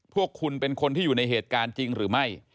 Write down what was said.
พวกคุณเป็นคนที่อยู่ในเหตุการณ์จริงหรือไม่